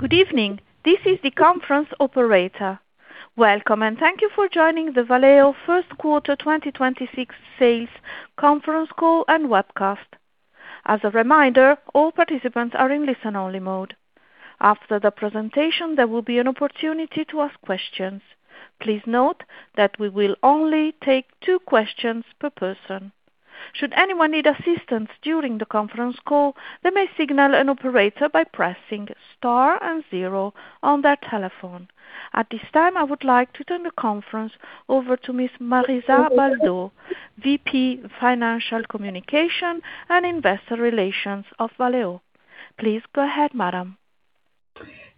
Good evening. This is the conference operator. Welcome, and thank you for joining the Valeo First Quarter 2026 Sales Conference Call and Webcast. As a reminder, all participants are in listen-only mode. After the presentation, there will be an opportunity to ask questions. Please note that we will only take two questions per person. Should anyone need assistance during the conference call, they may signal an operator by pressing star and zero on their telephone. At this time, I would like to turn the conference over to Ms. Marisa Baldo, VP, Financial Communication, and Investor Relations of Valeo. Please go ahead, madam.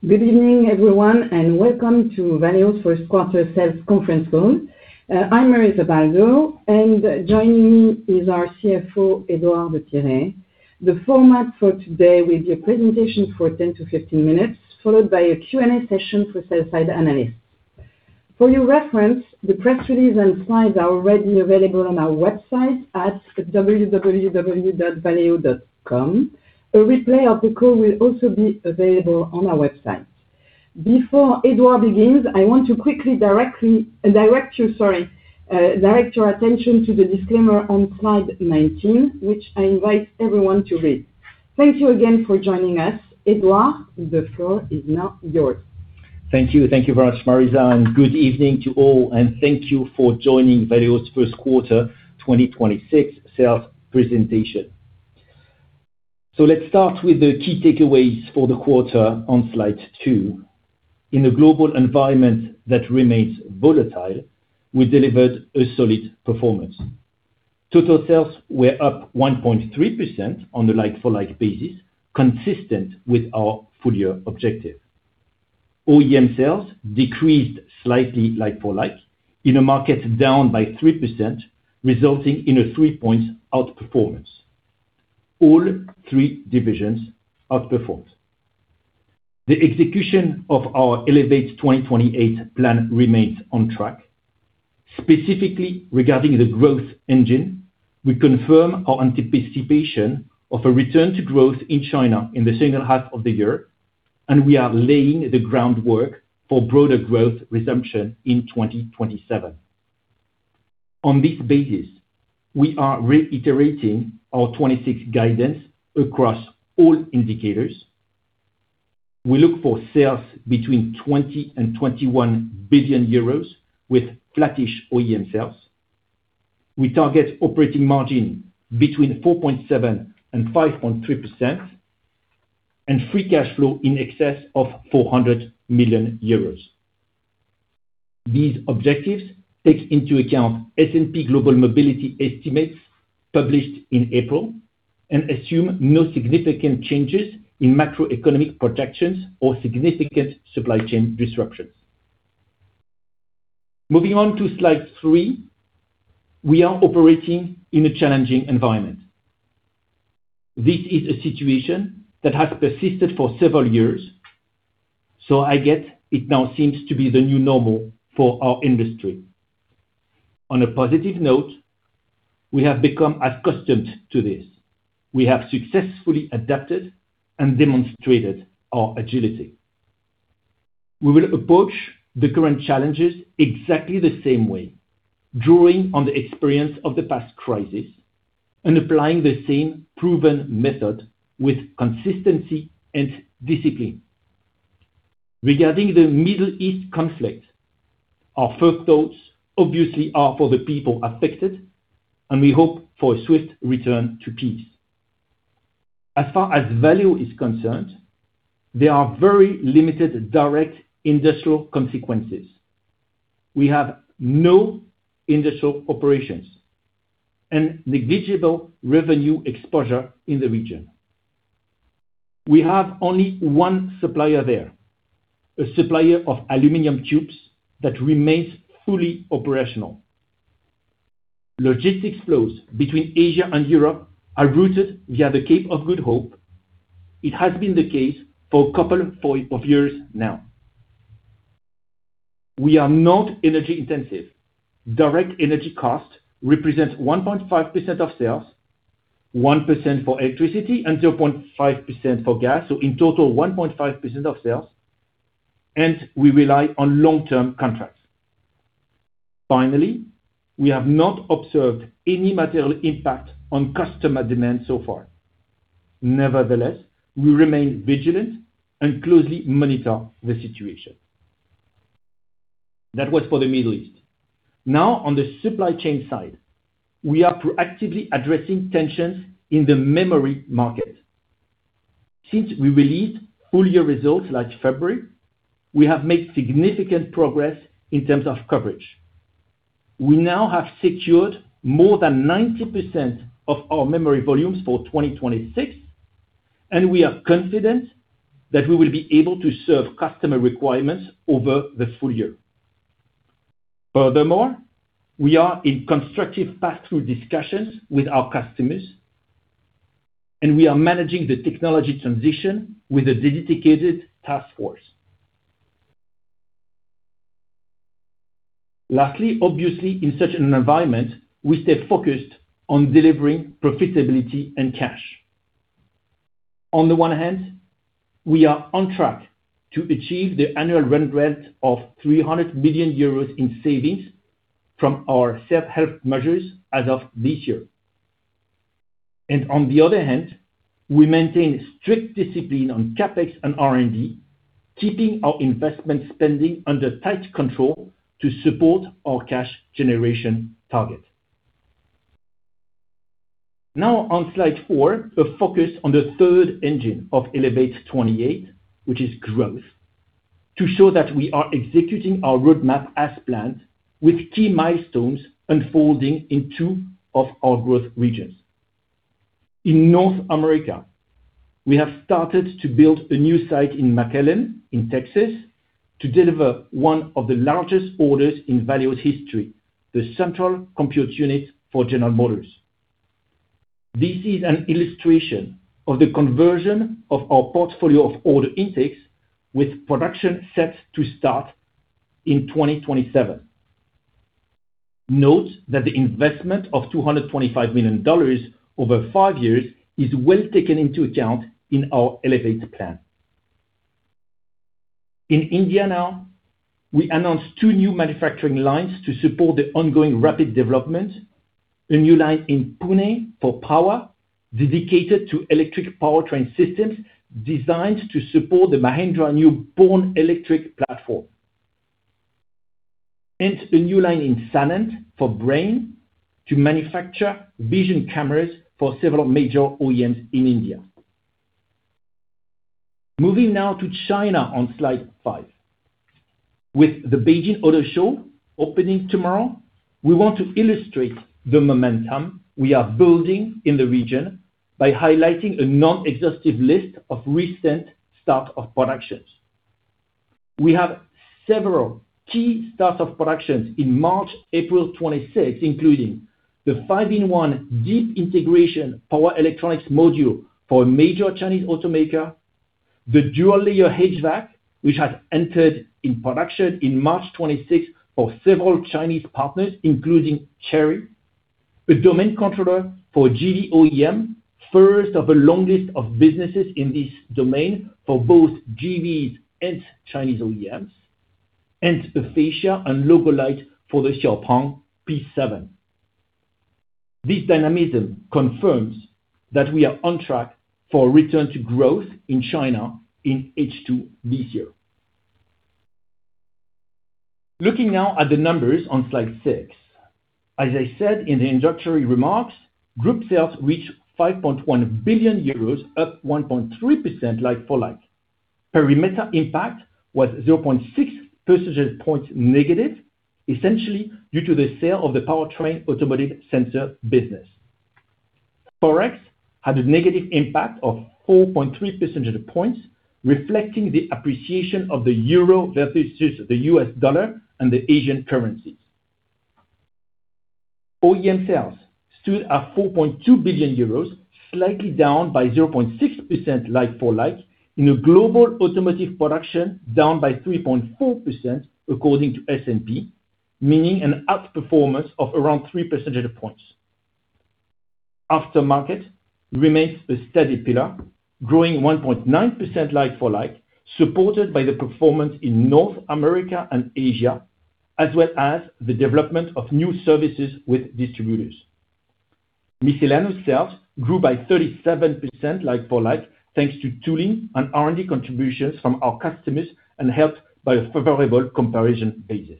Good evening, everyone, and welcome to Valeo's First Quarter Sales Conference Call. I'm Marisa Baldo, and joining me is our CFO, Edouard de Pirey. The format for today will be a presentation for 10-15 minutes, followed by a Q&A session for sell-side analysts. For your reference, the press release and slides are already available on our website at www.valeo.com. A replay of the call will also be available on our website. Before Edouard begins, I want to quickly direct your attention to the disclaimer on slide 19, which I invite everyone to read. Thank you again for joining us. Edouard, the floor is now yours. Thank you. Thank you very much, Marisa, and good evening to all, and thank you for joining Valeo's first quarter 2026 sales presentation. Let's start with the key takeaways for the quarter on slide 2. In a global environment that remains volatile, we delivered a solid performance. Total sales were up 1.3% on a like-for-like basis, consistent with our full-year objective. OEM sales decreased slightly like-for-like in a market down by 3%, resulting in a three-point outperformance. All three divisions outperformed. The execution of our Elevate 2028 plan remains on track. Specifically, regarding the growth engine, we confirm our anticipation of a return to growth in China in the second half of the year, and we are laying the groundwork for broader growth resumption in 2027. On this basis, we are reiterating our 2026 guidance across all indicators. We look for sales between 20 billion and 21 billion euros with flattish OEM sales. We target operating margin between 4.7%-5.3%, and free cash flow in excess of 400 million euros. These objectives take into account S&P Global Mobility estimates published in April and assume no significant changes in macroeconomic projections or significant supply chain disruptions. Moving on to slide 3, we are operating in a challenging environment. This is a situation that has persisted for several years, so it now seems to be the new normal for our industry. On a positive note, we have become accustomed to this. We have successfully adapted and demonstrated our agility. We will approach the current challenges exactly the same way, drawing on the experience of the past crisis and applying the same proven method with consistency and discipline. Regarding the Middle East conflict, our first thoughts obviously are for the people affected, and we hope for a swift return to peace. As far as Valeo is concerned, there are very limited direct industrial consequences. We have no industrial operations and negligible revenue exposure in the region. We have only one supplier there, a supplier of aluminum tubes that remains fully operational. Logistics flows between Asia and Europe are routed via the Cape of Good Hope. It has been the case for a couple of years now. We are not energy-intensive. Direct energy cost represents 1.5% of sales, 1% for electricity, and 0.5% for gas. So in total, 1.5% of sales, and we rely on long-term contracts. Finally, we have not observed any material impact on customer demand so far. Nevertheless, we remain vigilant and closely monitor the situation. That was for the Middle East. Now, on the supply chain side, we are proactively addressing tensions in the memory market. Since we released full-year results last February, we have made significant progress in terms of coverage. We now have secured more than 90% of our memory volumes for 2026, and we are confident that we will be able to serve customer requirements over the full year. Furthermore, we are in constructive pass-through discussions with our customers, and we are managing the technology transition with a dedicated task force. Lastly, obviously, in such an environment, we stay focused on delivering profitability and cash. On the one hand, we are on track to achieve the annual run rate of 300 million euros in savings from our self-help measures as of this year. On the other hand, we maintain strict discipline on CapEx and R&D, keeping our investment spending under tight control to support our cash generation target. Now on slide 4, a focus on the third engine of Elevate 2028, which is growth, to show that we are executing our roadmap as planned, with key milestones unfolding in two of our growth regions. In North America, we have started to build a new site in McAllen in Texas to deliver one of the largest orders in Valeo's history, the central compute unit for General Motors. This is an illustration of the conversion of our portfolio of order intakes, with production set to start in 2027. Note that the investment of $225 million over five years is well taken into account in our Elevate plan. In India now, we announced two new manufacturing lines to support the ongoing rapid development. A new line in Pune for power, dedicated to electric powertrain systems designed to support the Mahindra Born Electric platform. A new line in Sanand for Brain to manufacture vision cameras for several major OEMs in India. Moving now to China on slide 5. With the Beijing Auto Show opening tomorrow, we want to illustrate the momentum we are building in the region by highlighting a non-exhaustive list of recent start of productions. We have several key start of productions in March and April 2026, including the 5-in-1 Deep Integration Power Electronics Module for a major Chinese automaker, the Dual Layer HVAC, which has entered production in March 2026 for several Chinese partners, including Chery, a domain controller for EV OEM, first of a long list of businesses in this domain for both EVs and Chinese OEMs, and a fascia and logo light for the XPeng P7. This dynamism confirms that we are on track for a return to growth in China in H2 this year. Looking now at the numbers on slide 6. As I said in the introductory remarks, group sales reached 5.1 billion euros, up 1.3% like-for-like. Perimeter impact was -0.6 percentage points, essentially due to the sale of the powertrain automotive sensor business. Forex had a negative impact of 4.3 percentage points, reflecting the appreciation of the euro versus the U.S. dollar and the Asian currencies. OEM sales stood at 4.2 billion euros, slightly down by 0.6% like-for-like, in a global automotive production down by 3.4%, according to S&P, meaning an outperformance of around 3 percentage points. Aftermarket remains a steady pillar, growing 1.9% like-for-like, supported by the performance in North America and Asia, as well as the development of new services with distributors. Miscellaneous sales grew by 37% like-for-like, thanks to tooling and R&D contributions from our customers and helped by a favorable comparison basis.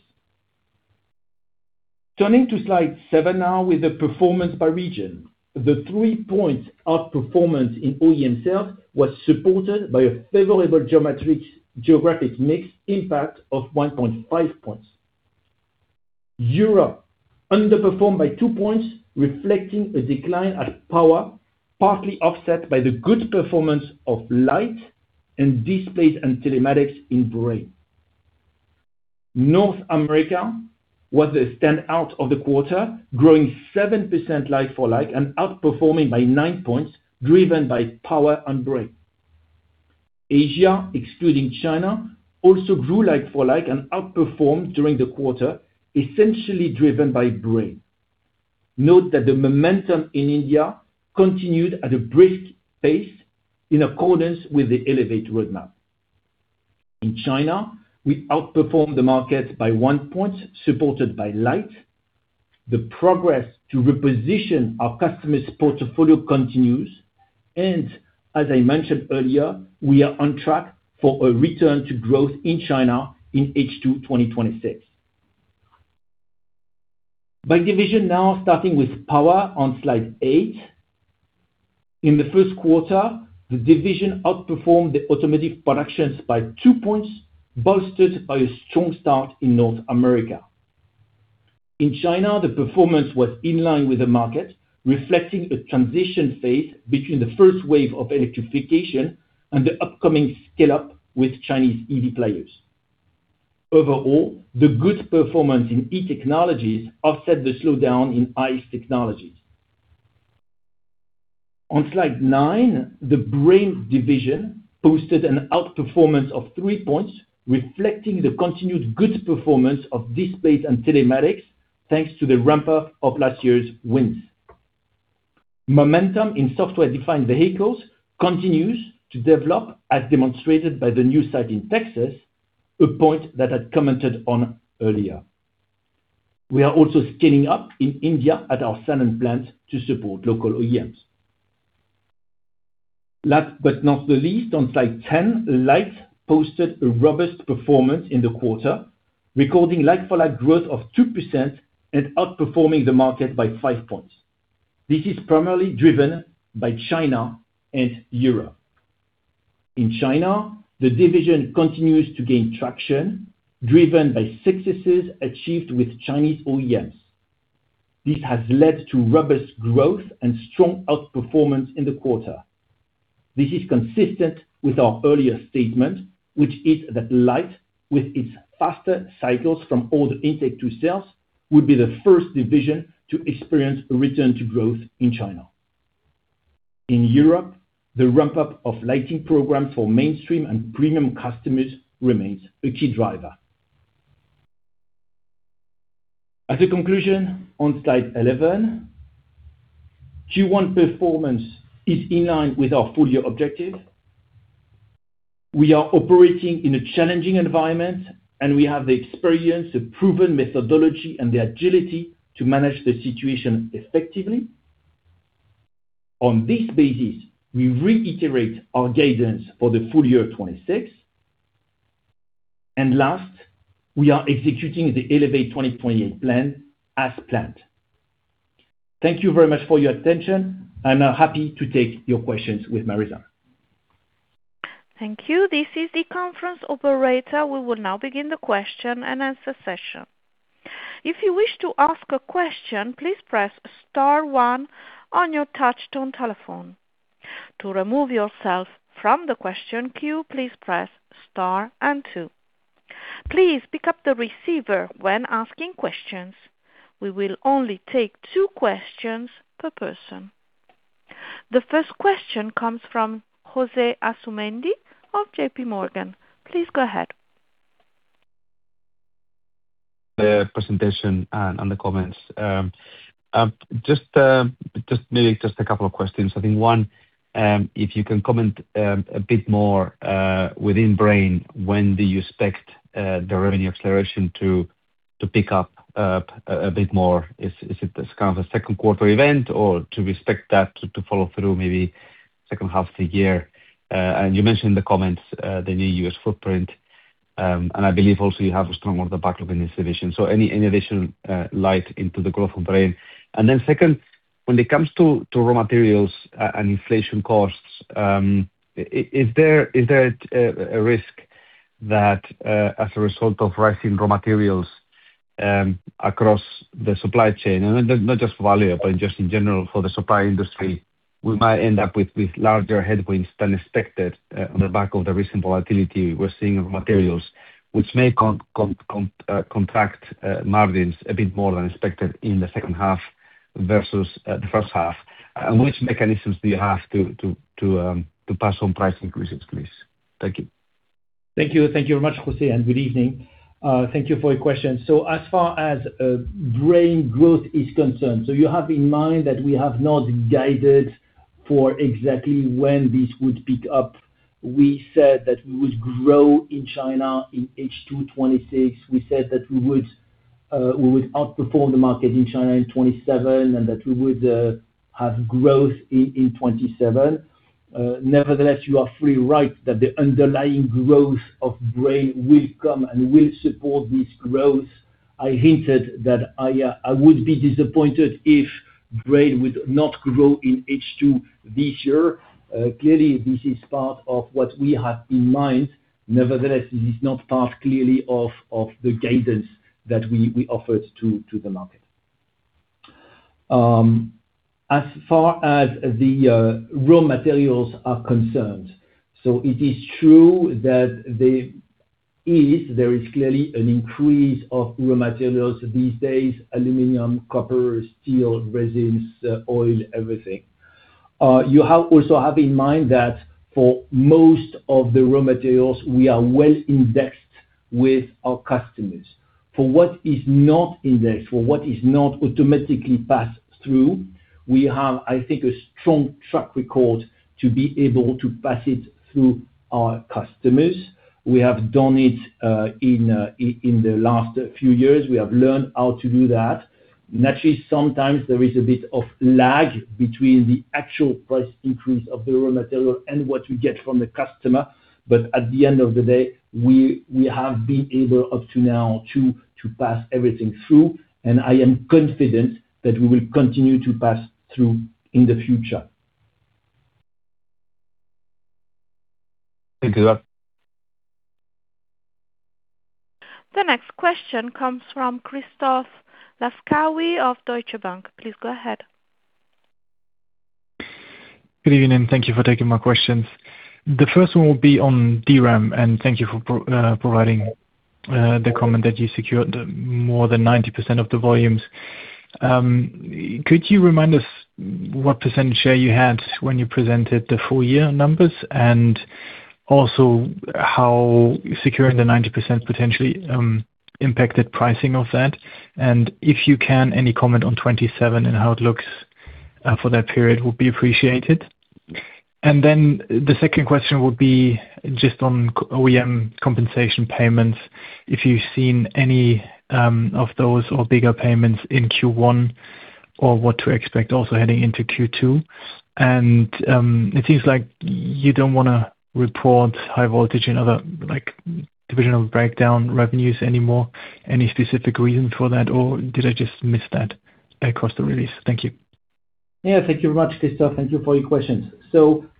Turning to slide 7 now with the performance by region. The 3 percentage point outperformance in OEM sales was supported by a favorable geographic mix impact of 1.5 points. Europe underperformed by 2 percentage points, reflecting a decline in Power, partly offset by the good performance of Light and displays and telematics in Brain. North America was the standout of the quarter, growing 7% like-for-like and outperforming by 9 percentage points, driven by Power and Brain. Asia, excluding China, also grew like-for-like and outperformed during the quarter, essentially driven by Brain. Note that the momentum in India continued at a brisk pace in accordance with the Elevate roadmap. In China, we outperformed the market by 1 percentage point, supported by Light. The progress to reposition our customers' portfolio continues, and as I mentioned earlier, we are on track for a return to growth in China in H2 2026. By division now, starting with Power on slide 8. In the first quarter, the division outperformed the automotive production by 2 percentage points, bolstered by a strong start in North America. In China, the performance was in line with the market, reflecting a transition phase between the first wave of electrification and the upcoming scale-up with Chinese EV players. Overall, the good performance in E-technologies offset the slowdown in ICE technologies. On slide 9, the Brain division posted an outperformance of 3 percentage points, reflecting the continued good performance of displays and telematics, thanks to the ramp-up of last year's wins. Momentum in software-defined vehicles continues to develop, as demonstrated by the new site in Texas, a point that I'd commented on earlier. We are also scaling up in India at our Sanand plant to support local OEMs. Last but not least, on slide 10, Light posted a robust performance in the quarter, recording like-for-like growth of 2% and outperforming the market by 5 percentage points. This is primarily driven by China and Europe. In China, the division continues to gain traction, driven by successes achieved with Chinese OEMs. This has led to robust growth and strong outperformance in the quarter. This is consistent with our earlier statement, which is that Light, with its faster cycles from order intake to sales, would be the first division to experience a return to growth in China. In Europe, the ramp-up of lighting program for mainstream and premium customers remains a key driver. As a conclusion, on slide 11, Q1 performance is in line with our full-year objective. We are operating in a challenging environment, and we have the experience, the proven methodology, and the agility to manage the situation effectively. On this basis, we reiterate our guidance for the full year 2026. Last, we are executing the Elevate 2028 plan as planned. Thank you very much for your attention. I'm now happy to take your questions with Marisa. Thank you. This is the conference operator. We will now begin the question-and-answer session. If you wish to ask a question, please press star one on your touchtone telephone. To remove yourself from the question queue, please press star and two. Please pick up the receiver when asking questions. We will only take two questions per person. The first question comes from José Asumendi of JPMorgan. Please go ahead. the presentation and the comments. Maybe just a couple of questions. I think one, if you can comment a bit more within Brain, when do you expect the revenue acceleration to pick up a bit more? Is it kind of a second quarter event, or to expect that to follow through maybe second half of the year? You mentioned in the comments the new U.S. footprint, and I believe also you have a strong order backlog in this division. Any additional light on the growth of Brain. Second, when it comes to raw materials and inflation costs, is there a risk that as a result of rising raw materials across the supply chain, and not just Valeo, but just in general for the supply industry, we might end up with larger headwinds than expected on the back of the recent volatility we're seeing of materials, which may contract margins a bit more than expected in the second half versus the first half? Which mechanisms do you have to pass on price increases, please? Thank you. Thank you. Thank you very much, José, and good evening. Thank you for your question. As far as Brain growth is concerned, so you have in mind that we have not guided for exactly when this would pick up. We said that we would grow in China in H2 2026. We said that we would outperform the market in China in 2027, and that we would have growth in 2027. Nevertheless, you are fully right that the underlying growth of Brain will come and will support this growth. I hinted that I would be disappointed if Brain would not grow in H2 this year. Clearly, this is part of what we have in mind. Nevertheless, this is not part clearly of the guidance that we offered to the market. As far as the raw materials are concerned, it is true that there is clearly an increase of raw materials these days, aluminum, copper, steel, resins, oil, everything. You also have in mind that for most of the raw materials, we are well indexed with our customers. For what is not indexed, for what is not automatically passed through, we have, I think, a strong track record to be able to pass it through our customers. We have done it in the last few years. We have learned how to do that. Naturally, sometimes there is a bit of lag between the actual price increase of the raw material and what we get from the customer. At the end of the day, we have been able up to now to pass everything through, and I am confident that we will continue to pass through in the future. Thank you. The next question comes from Christoph Laskawi of Deutsche Bank. Please go ahead. Good evening, and thank you for taking my questions. The first one will be on DRAM, and thank you for providing the comment that you secured more than 90% of the volumes. Could you remind us what percentage share you had when you presented the full year numbers, and also how securing the 90% potentially impacted pricing of that? If you can, any comment on 2027 and how it looks for that period would be appreciated. Then the second question would be just on OEM compensation payments. If you've seen any of those or bigger payments in Q1, or what to expect also heading into Q2. It seems like you don't want to report high voltage and other divisional breakdown revenues anymore. Any specific reason for that or did I just miss that across the release? Thank you. Yeah, thank you very much, Christoph. Thank you for your questions.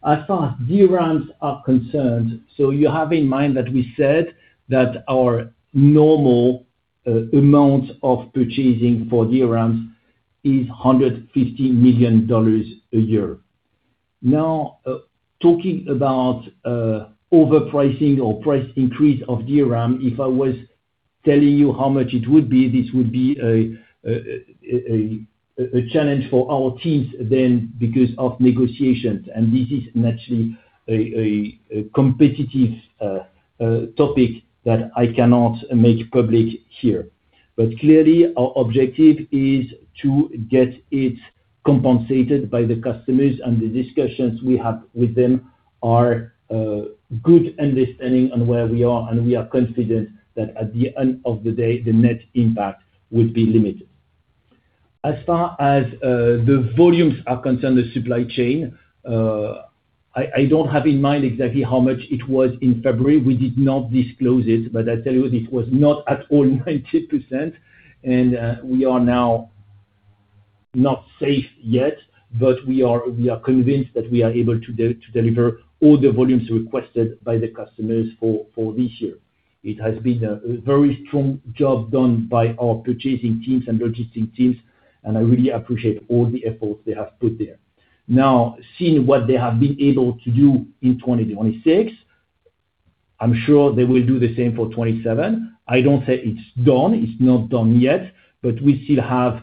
As far as DRAMs are concerned, so you have in mind that we said that our normal amount of purchasing for DRAMs is $150 million a year. Now, talking about overpricing or price increase of DRAM, if I was telling you how much it would be, this would be a challenge for our teams then because of negotiations. This is naturally a competitive topic that I cannot make public here. Clearly our objective is to get it compensated by the customers, and the discussions we have with them are good understanding on where we are. We are confident that at the end of the day, the net impact will be limited. As far as the volumes are concerned, the supply chain, I don't have in mind exactly how much it was in February. We did not disclose it, but I tell you it was not at all 90%. We are now not safe yet. We are convinced that we are able to deliver all the volumes requested by the customers for this year. It has been a very strong job done by our purchasing teams and logistics teams, and I really appreciate all the effort they have put there. Now, seeing what they have been able to do in 2026, I'm sure they will do the same for 2027. I don't say it's done, it's not done yet, but we still have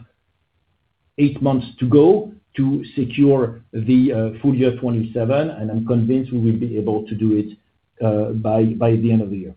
eight months to go to secure the full year 2027, and I'm convinced we will be able to do it by the end of the year.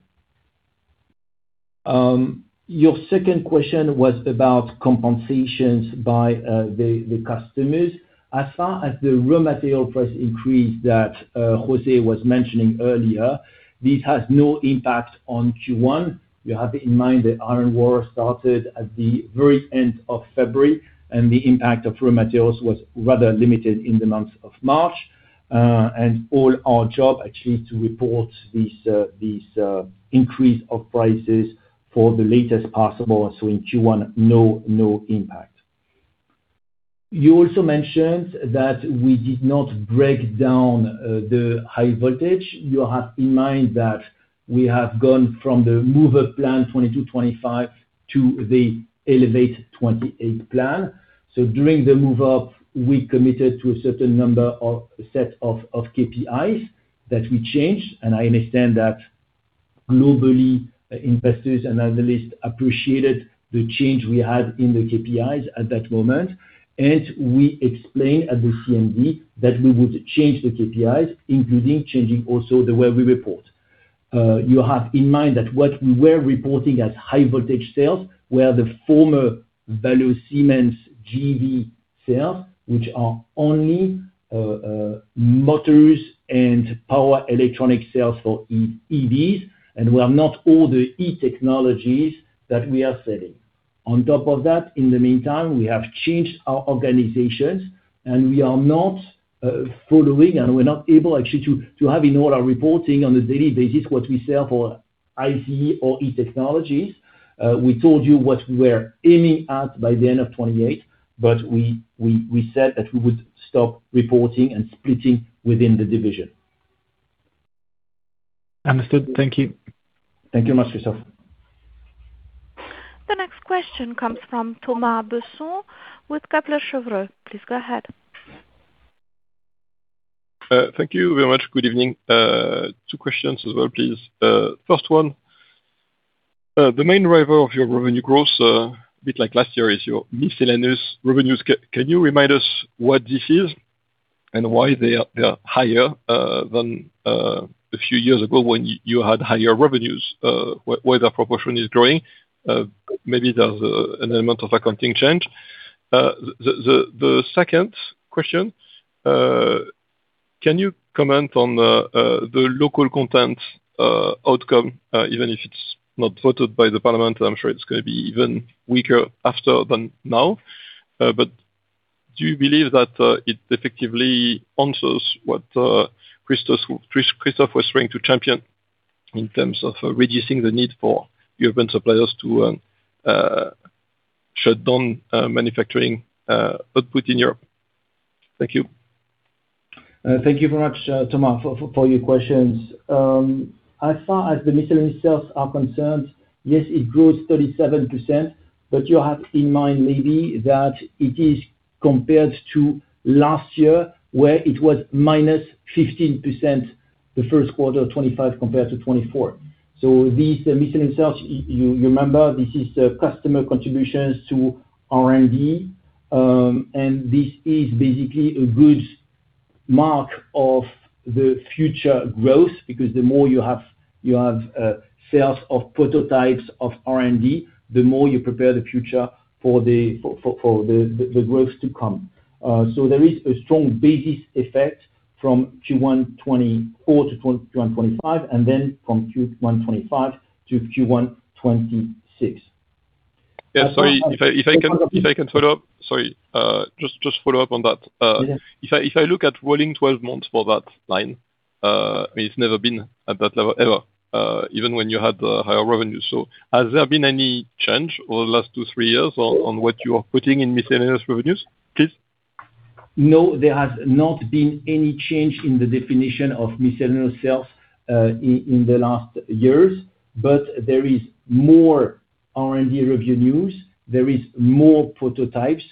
Your second question was about compensations by the customers. As far as the raw material price increase that José was mentioning earlier, this has no impact on Q1. You have in mind that tariff war started at the very end of February and the impact of raw materials was rather limited in the month of March. All our job actually is to report this increase of prices as late as possible, so in Q1, no impact. You also mentioned that we did not break down the high voltage. You have in mind that we have gone from the Move Up plan 2020 to 2025 to the Elevate 2028 plan. During the Move Up, we committed to a certain number of set of KPIs that we changed. I understand that globally, investors and analysts appreciated the change we had in the KPIs at that moment, as we explained at the CMD that we would change the KPIs, including changing also the way we report. You have in mind that what we were reporting as high voltage sales were the former Valeo Siemens eAutomotive sales, which are only motors and power electronics sales for EVs, and were not all the e-technologies that we are selling. On top of that, in the meantime, we have changed our organizations, and we are not following, and we're not able actually to have in all our reporting on a daily basis what we sell for ICE or e-technologies. We told you what we were aiming at by the end of 2028, but we said that we would stop reporting and splitting within the division. Understood. Thank you. Thank you much, Christoph. The next question comes from Thomas Besson with Kepler Cheuvreux. Please go ahead. Thank you very much. Good evening. Two questions as well, please. First one, the main driver of your revenue growth, a bit like last year, is your miscellaneous revenues. Can you remind us what this is and why they are higher than a few years ago when you had higher revenues, where the proportion is growing? Maybe there's an element of accounting change. The second question, can you comment on the local content outcome? Even if it's not voted by the parliament, I'm sure it's going to be even weaker after than now. But do you believe that it effectively answers what Christoph was trying to champion in terms of reducing the need for European suppliers to shut down manufacturing output in Europe? Thank you. Thank you very much, Thomas, for your questions. As far as the miscellaneous sales are concerned, yes, it grows 37%, but you have in mind maybe that it is compared to last year, where it was -15%, the first quarter of 2025 compared to 2024. These miscellaneous sales, you remember, this is the customer contributions to R&D. This is basically a good mark of the future growth, because the more you have sales of prototypes of R&D, the more you prepare the future for the growth to come. There is a strong base effect from Q1 2024 to Q1 2025, and then from Q1 2025 to Q1 2026. Sorry, just follow up on that. Yes. If I look at rolling 12 months for that line, it's never been at that level ever, even when you had the higher revenue. Has there been any change over the last 2, 3 years on what you are putting in miscellaneous revenues, please? No, there has not been any change in the definition of miscellaneous sales in the last years. There is more R&D revenues, there is more prototypes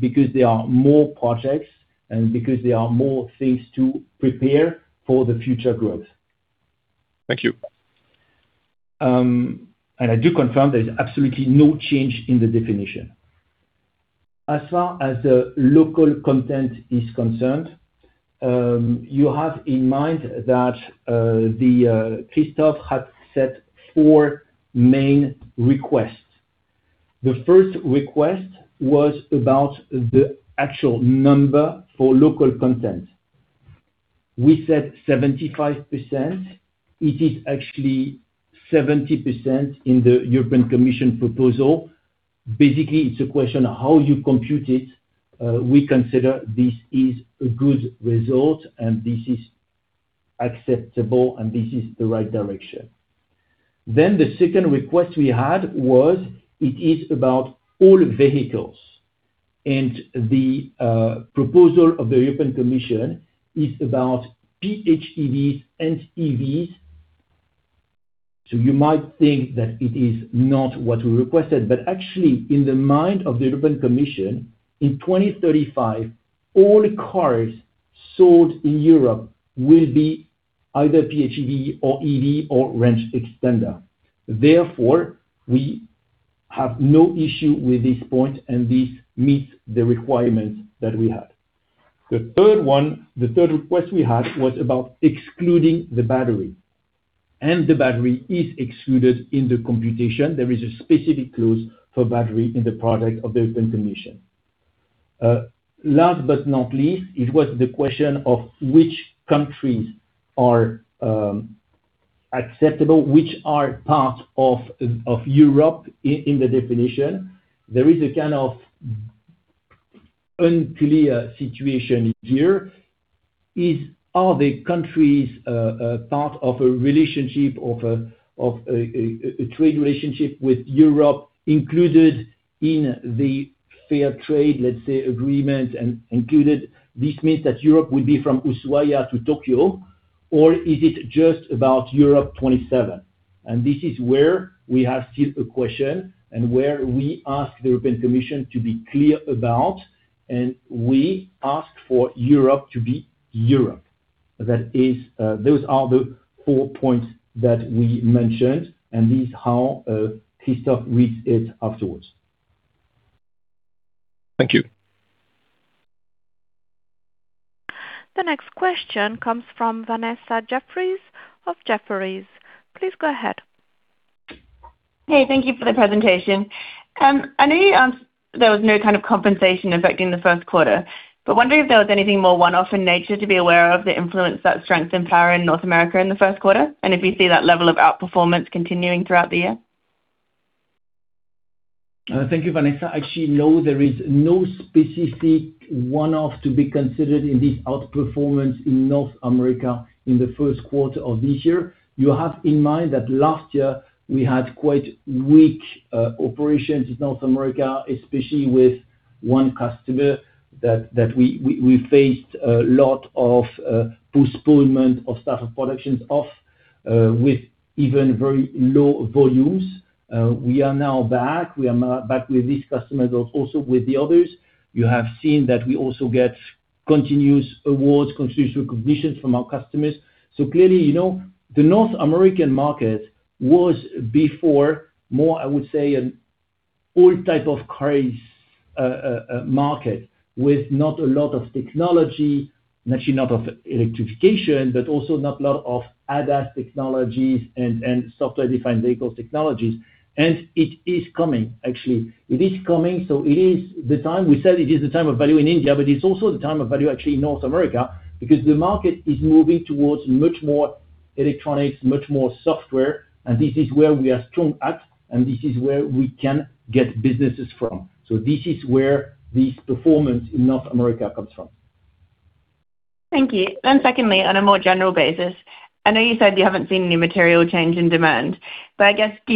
because there are more projects, and because there are more things to prepare for the future growth. Thank you. I do confirm there is absolutely no change in the definition. As far as the local content is concerned, you have in mind that Christophe had set four main requests. The first request was about the actual number for local content. We said 75%. It is actually 70% in the European Commission proposal. Basically, it's a question of how you compute it. We consider this is a good result, and this is acceptable, and this is the right direction. The second request we had was, it is about all vehicles, and the proposal of the European Commission is about PHEVs and EVs. You might think that it is not what we requested. Actually, in the mind of the European Commission, in 2035, all cars sold in Europe will be either PHEV or EV or range extender. Therefore, we have no issue with this point, and this meets the requirements that we had. The third request we had was about excluding the battery. The battery is excluded in the computation. There is a specific clause for battery in the product of the European Commission. Last but not least, it was the question of which countries are acceptable, which are part of Europe in the definition. There is a kind of unclear situation here, are the countries part of a trade relationship with Europe included in the free trade, let's say, agreement, and included this means that Europe would be from Ushuaia to Tokyo, or is it just about Europe 27? This is where we have still a question, and where we ask the European Commission to be clear about, and we ask for Europe to be Europe. Those are the four points that we mentioned, and this is how Christophe reads it afterwards. Thank you. The next question comes from Vanessa Jeffriess of Jefferies. Please go ahead. Hey, thank you for the presentation. I know you answered there was no kind of compensation affecting the first quarter, but wondering if there was anything more one-off in nature to be aware of that influenced that strength and power in North America in the first quarter, and if you see that level of outperformance continuing throughout the year? Thank you, Vanessa. Actually, no, there is no specific one-off to be considered in this outperformance in North America in the first quarter of this year. You have in mind that last year we had quite weak operations in North America, especially with one customer that we faced a lot of postponement of start of productions with even very low volumes. We are now back with this customer, but also with the others. You have seen that we also get continuous awards, continuous recognitions from our customers. Clearly, the North American market was before more, I would say, an old type of cars market with not a lot of technology, actually not of electrification, but also not a lot of ADAS technologies and software-defined vehicles technologies. It is coming. Actually, it is coming, so it is the time. We said it is the time of Valeo in India, but it's also the time of Valeo, actually, in North America because the market is moving towards much more electronics, much more software, and this is where we are strong at, and this is where we can get businesses from. This is where this performance in North America comes from. Thank you. Secondly, on a more general basis, I know you said you haven't seen any material change in demand, but I guess, do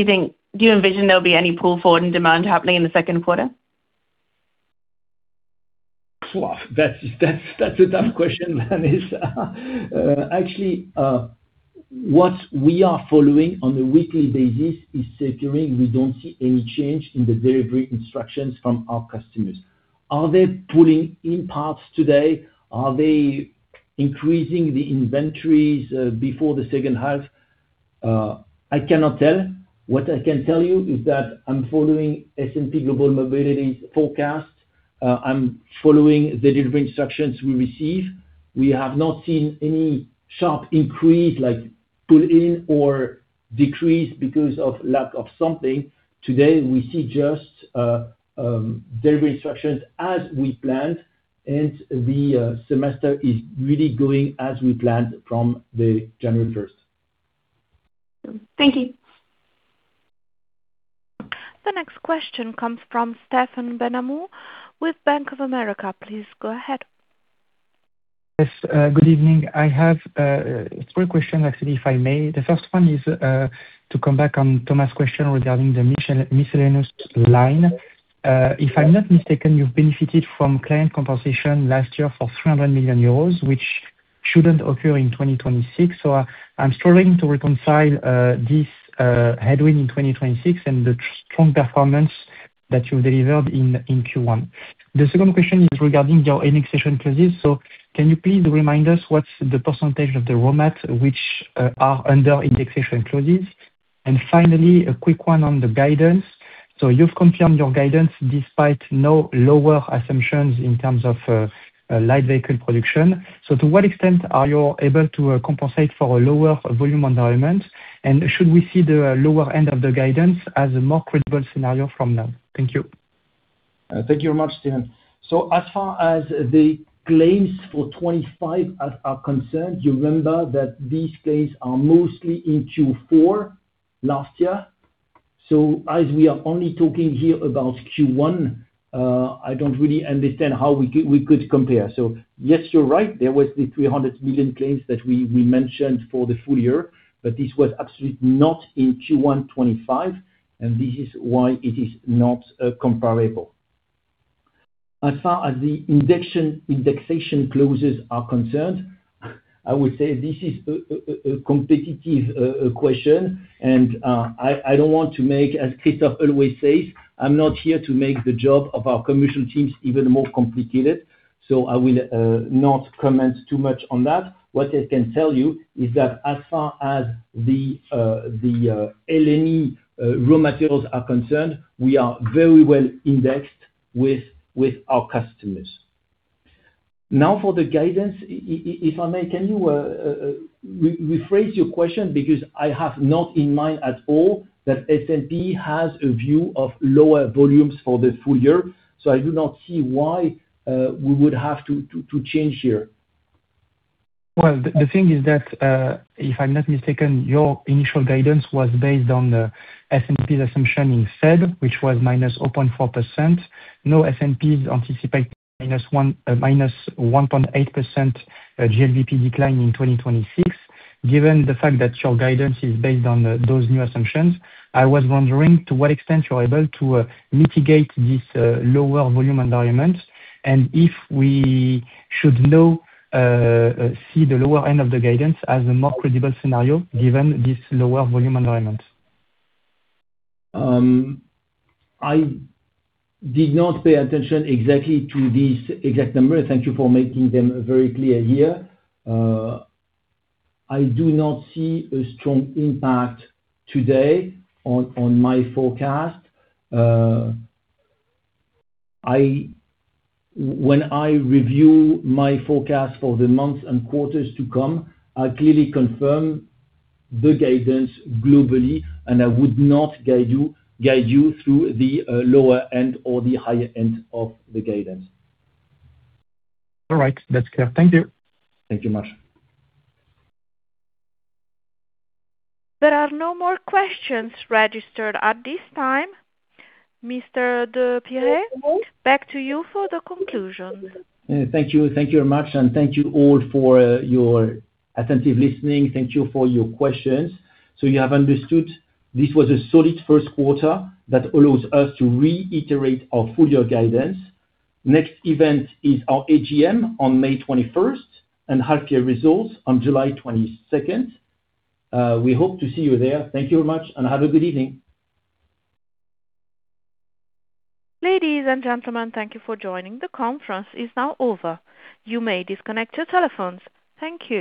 you envision there'll be any pull forward in demand happening in the second quarter? That's a tough question, Vanessa. What we are following on a weekly basis is scheduling. We don't see any change in the delivery instructions from our customers. Are they pulling in parts today? Are they increasing the inventories, before the second half? I cannot tell. What I can tell you is that I'm following S&P Global Mobility's forecast. I'm following the delivery instructions we receive. We have not seen any sharp increase, like pull in or decrease because of lack of something. Today, we see just delivery instructions as we planned. The semester is really going as we planned from January 1st. Thank you. The next question comes from Stephen Benhamou with Bank of America. Please go ahead. Yes, good evening. I have three questions, actually, if I may. The first one is to come back on Thomas question regarding the miscellaneous line. If I'm not mistaken, you've benefited from client compensation last year for 300 million euros, which shouldn't occur in 2026. I'm struggling to reconcile this headwind in 2026 and the strong performance that you delivered in Q1. The second question is regarding your indexation clauses. Can you please remind us what's the percentage of the raw materials which are under indexation clauses? Finally, a quick one on the guidance. You've confirmed your guidance despite lower assumptions in terms of light vehicle production. To what extent are you able to compensate for a lower volume environment? And should we see the lower end of the guidance as a more credible scenario from now? Thank you. Thank you very much, Stephen. As far as the claims for 2025 are concerned, you remember that these claims are mostly in Q4 last year. As we are only talking here about Q1, I don't really understand how we could compare. Yes, you're right, there was the 300 million claims that we mentioned for the full year, but this was absolutely not in Q1 2025, and this is why it is not comparable. As far as the indexation clauses are concerned, I would say this is a competitive question, and I don't want to make, as Christophe always says, "I'm not here to make the job of our commercial teams even more complicated." I will not comment too much on that. What I can tell you is that as far as the LME raw materials are concerned, we are very well indexed with our customers. Now for the guidance, if I may, can you rephrase your question? Because I have not in mind at all that S&P has a view of lower volumes for the full year, so I do not see why we would have to change here. Well, the thing is that, if I'm not mistaken, your initial guidance was based on S&P's assumption for 2024, which was -0.4%. Now S&P is anticipating -1.8% GLVP decline in 2026. Given the fact that your guidance is based on those new assumptions, I was wondering to what extent you're able to mitigate this lower volume environment, and if we should now see the lower end of the guidance as a more credible scenario given this lower volume environment? I did not pay attention exactly to this exact number. Thank you for making them very clear here. I do not see a strong impact today on my forecast. When I review my forecast for the months and quarters to come, I clearly confirm the guidance globally, and I would not guide you through the lower end or the higher end of the guidance. All right, that's clear. Thank you. Thank you much. There are no more questions registered at this time. Mr. de Pirey, back to you for the conclusion. Thank you. Thank you very much, and thank you all for your attentive listening. Thank you for your questions. You have understood this was a solid first quarter that allows us to reiterate our full-year guidance. Next event is our AGM on May 21st and half-year results on July 22nd. We hope to see you there. Thank you very much and have a good evening. Ladies and gentlemen, thank you for joining. The conference is now over. You may disconnect your telephones. Thank you.